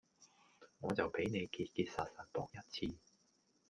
我就俾你結結實實仆一次